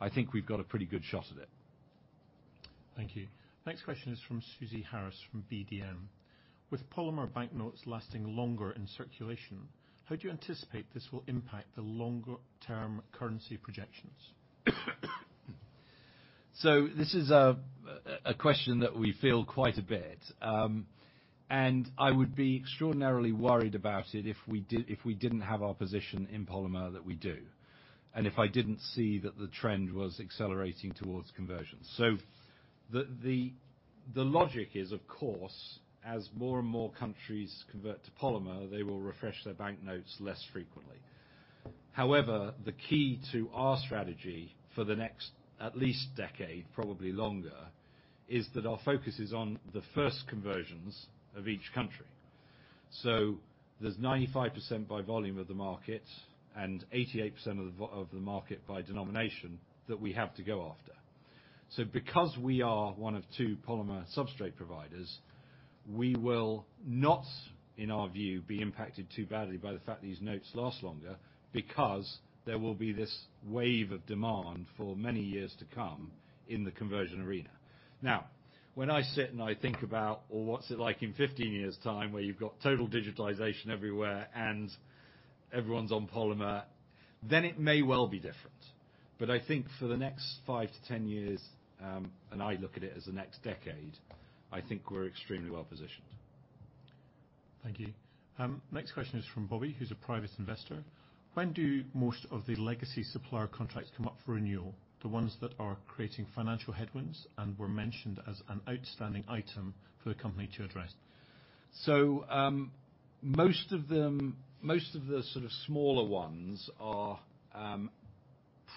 I think we've got a pretty good shot at it. Thank you. Next question is from Susie Harris from BDM. With polymer banknotes lasting longer in circulation, how do you anticipate this will impact the longer-term currency projections? This is a question that we field quite a bit. I would be extraordinarily worried about it if we didn't have our position in polymer that we do, and if I didn't see that the trend was accelerating towards conversion. The logic is, of course, as more and more countries convert to polymer, they will refresh their banknotes less frequently. However, the key to our strategy for the next at least decade, probably longer, is that our focus is on the first conversions of each company. There's 95% by volume of the market and 88% of the market by denomination that we have to go after. Because we are one of two polymer substrate providers, we will not, in our view, be impacted too badly by the fact these notes last longer because there will be this wave of demand for many years to come in the conversion arena. Now, when I sit and I think about, well what's it like in 15 years' time, where you've got total digitization everywhere and everyone's on polymer, then it may well be different. I think for the next 5-10 years, and I look at it as the next decade, I think we're extremely well positioned. Thank you. Next question is from Bobby, who's a private investor. When do most of the legacy supplier contracts come up for renewal, the ones that are creating financial headwinds and were mentioned as an outstanding item for the company to address? Most of them, most of the sort of smaller ones are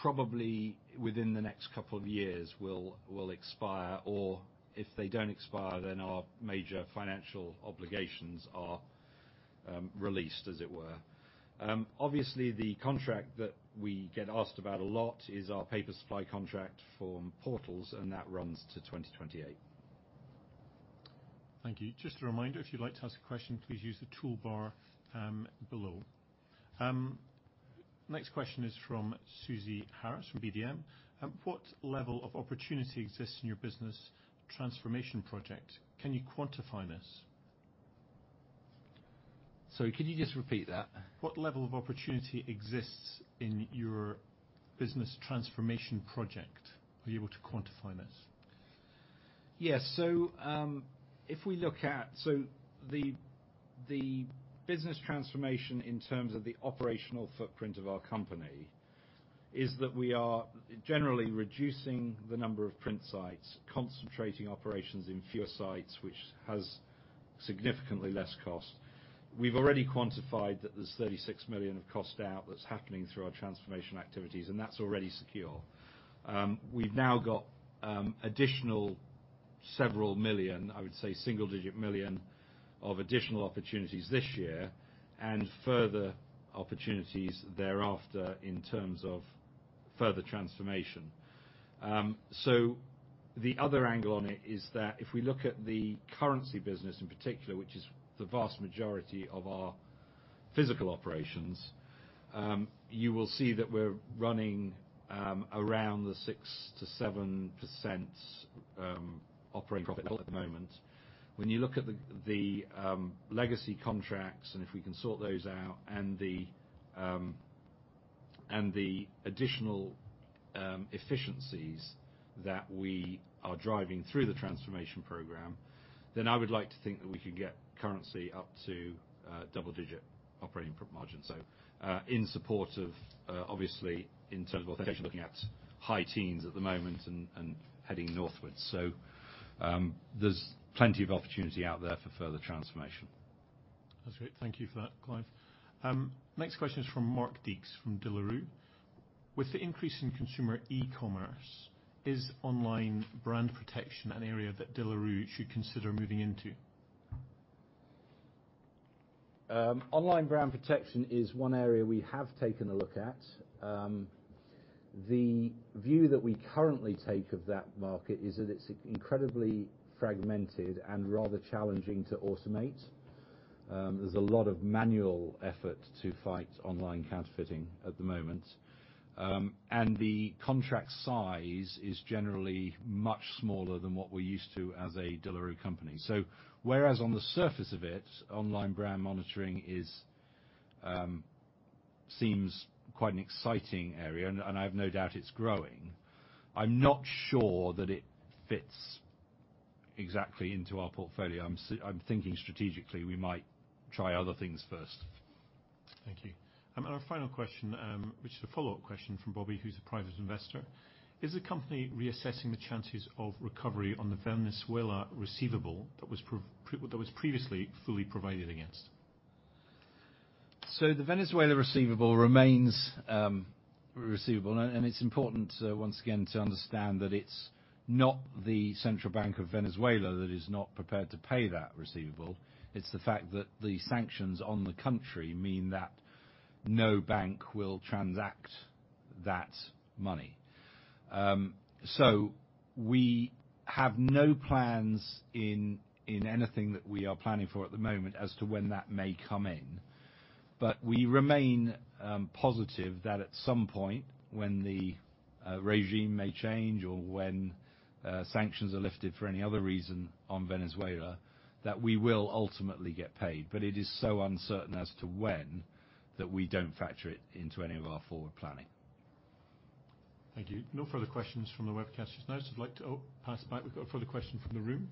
probably within the next couple of years will expire, or if they don't expire, then our major financial obligations are released, as it were. Obviously, the contract that we get asked about a lot is our paper supply contract from Portals, and that runs to 2028. Thank you. Just a reminder, if you'd like to ask a question, please use the toolbar below. Next question is from Susie Harris from BDM. What level of opportunity exists in your business transformation project? Can you quantify this? Sorry, can you just repeat that? What level of opportunity exists in your business transformation project? Are you able to quantify this? Yes. If we look at the business transformation in terms of the operational footprint of our company is that we are generally reducing the number of print sites, concentrating operations in fewer sites, which has significantly less cost. We've already quantified that there's 36 million of cost out that's happening through our transformation activities, and that's already secure. We've now got additional several million, I would say single-digit million of additional opportunities this year and further opportunities thereafter in terms of further transformation. The other angle on it is that if we look at the currency business in particular, which is the vast majority of our physical operations, you will see that we're running around 6%-7% operating profit at the moment. When you look at the legacy contracts, and if we can sort those out and the additional efficiencies that we are driving through the transformation program, then I would like to think that we could get Currency up to double-digit operating profit margin. In support of, obviously in terms of Authentication, looking at high teens at the moment and heading northwards. There's plenty of opportunity out there for further transformation. That's great. Thank you for that, Clive. Next question is from Mark Dicks from De La Rue. With the increase in consumer e-commerce, is online brand protection an area that De La Rue should consider moving into? Online brand protection is one area we have taken a look at. The view that we currently take of that market is that it's incredibly fragmented and rather challenging to automate. There's a lot of manual effort to fight online counterfeiting at the moment. The contract size is generally much smaller than what we're used to as a De La Rue company. Whereas on the surface of it, online brand monitoring seems quite an exciting area, and I have no doubt it's growing. I'm not sure that it fits exactly into our portfolio. I'm thinking strategically, we might try other things first. Thank you. Our final question, which is a follow-up question from Bobby, who's a private investor. Is the company reassessing the chances of recovery on the Venezuela receivable that was previously fully provided against? The Venezuela receivable remains receivable. It's important, once again, to understand that it's not the Central Bank of Venezuela that is not prepared to pay that receivable. It's the fact that the sanctions on the country mean that no bank will transact that money. We have no plans in anything that we are planning for at the moment as to when that may come in. We remain positive that at some point when the regime may change or when sanctions are lifted for any other reason on Venezuela, that we will ultimately get paid. It is so uncertain as to when that we don't factor it into any of our forward planning. Thank you. No further questions from the webcasters. Now I'd just like to pass back. We've got a further question from the room.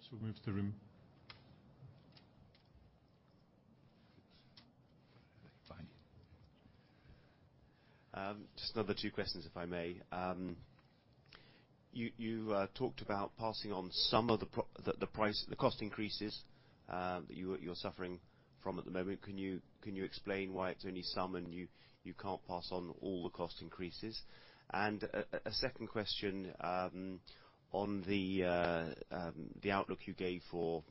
Just we'll move to the room. Just another two questions, if I may. You talked about passing on some of the price, the cost increases that you are suffering from at the moment. Can you explain why it's only some and you can't pass on all the cost increases? A second question, on the outlook you gave for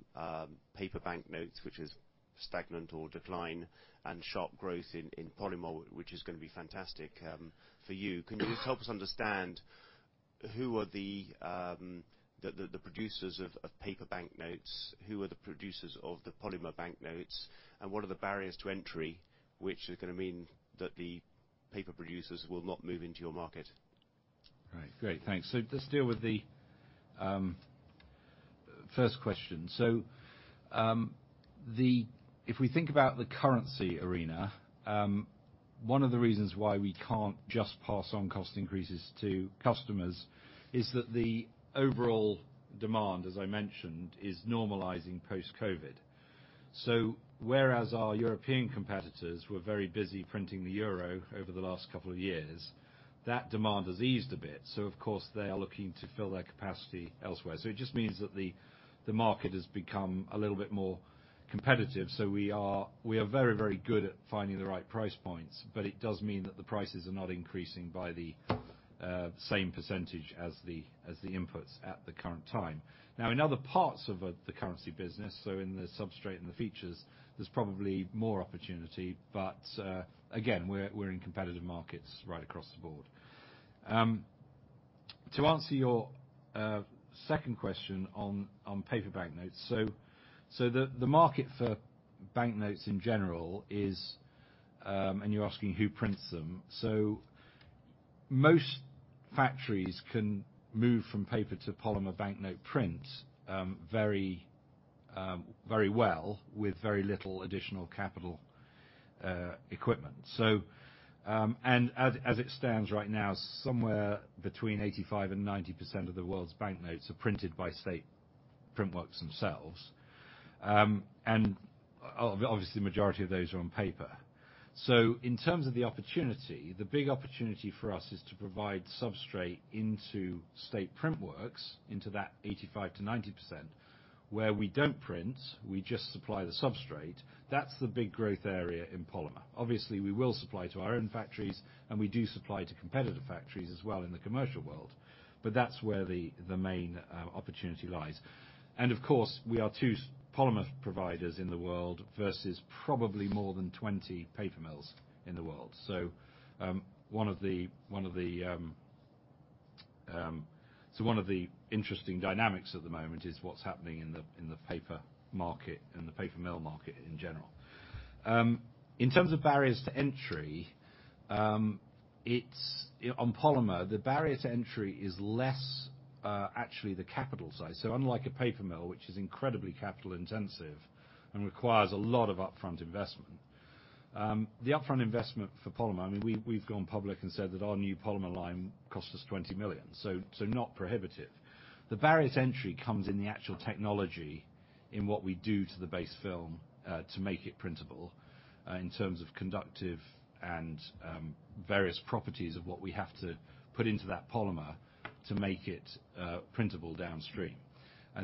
paper banknotes, which is stagnant or decline and sharp growth in polymer, which is gonna be fantastic for you. Can you just help us understand who are the producers of paper banknotes? Who are the producers of the polymer banknotes? And what are the barriers to entry, which are gonna mean that the paper producers will not move into your market? Right. Great, thanks. Let's deal with the first question. If we think about the currency arena, one of the reasons why we can't just pass on cost increases to customers is that the overall demand, as I mentioned, is normalizing post-COVID. Whereas our European competitors were very busy printing the euro over the last couple of years, that demand has eased a bit. Of course, they are looking to fill their capacity elsewhere. It just means that the market has become a little bit more competitive. We are very good at finding the right price points, but it does mean that the prices are not increasing by the same percentage as the inputs at the current time. Now, in other parts of the currency business, in the substrate and the features, there's probably more opportunity. Again, we're in competitive markets right across the board. To answer your second question on paper banknotes. The market for banknotes in general is. You're asking who prints them. Most factories can move from paper to polymer banknote print very well with very little additional capital equipment. As it stands right now, somewhere between 85%-90% of the world's banknotes are printed by state print works themselves. Obviously, the majority of those are on paper. In terms of the opportunity, the big opportunity for us is to provide substrate into state print works, into that 85%-90%, where we don't print, we just supply the substrate. That's the big growth area in polymer. Obviously, we will supply to our own factories, and we do supply to competitive factories as well in the commercial world. But that's where the main opportunity lies. Of course, we are two polymer providers in the world versus probably more than 20 paper mills in the world. One of the interesting dynamics at the moment is what's happening in the paper market and the paper mill market in general. In terms of barriers to entry, it's on polymer, the barrier to entry is less, actually the capital side. Unlike a paper mill, which is incredibly capital intensive and requires a lot of upfront investment, the upfront investment for polymer, I mean, we've gone public and said that our new polymer line costs us 20 million. Not prohibitive. The barrier to entry comes in the actual technology in what we do to the base film to make it printable in terms of conductive and various properties of what we have to put into that polymer to make it printable downstream.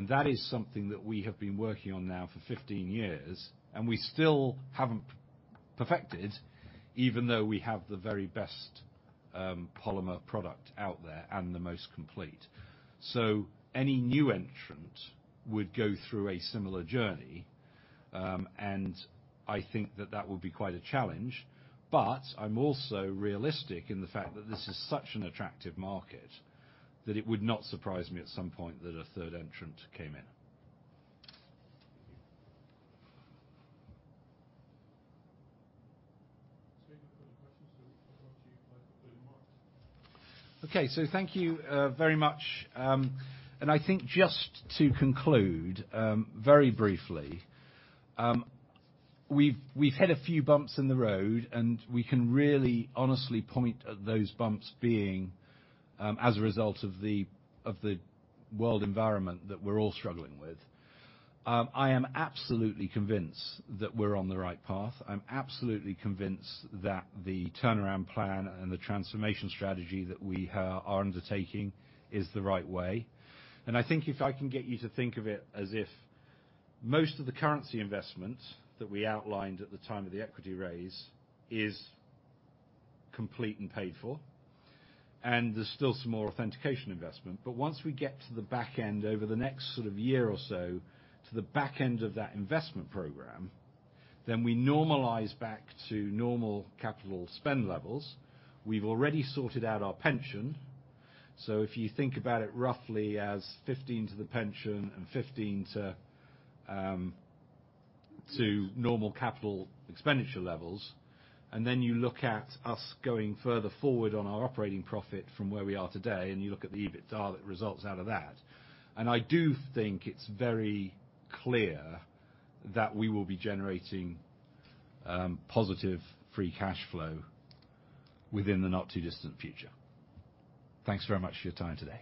That is something that we have been working on now for 15 years, and we still haven't perfected, even though we have the very best polymer product out there and the most complete. Any new entrant would go through a similar journey, and I think that would be quite a challenge. I'm also realistic in the fact that this is such an attractive market that it would not surprise me at some point that a third entrant came in. Okay. Thank you, very much. I think just to conclude, very briefly, we've hit a few bumps in the road, and we can really honestly point at those bumps being, as a result of the world environment that we're all struggling with. I am absolutely convinced that we're on the right path. I'm absolutely convinced that the turnaround plan and the transformation strategy that we are undertaking is the right way. I think if I can get you to think of it as if most of the currency investment that we outlined at the time of the equity raise is complete and paid for, and there's still some more authentication investment. Once we get to the back end over the next sort of year or so, to the back end of that investment program, then we normalize back to normal capital spend levels. We've already sorted out our pension. If you think about it roughly as 15 to the pension and 15 to normal capital expenditure levels, and then you look at us going further forward on our operating profit from where we are today, and you look at the EBITDA that results out of that. I do think it's very clear that we will be generating positive free cash flow within the not too distant future. Thanks very much for your time today.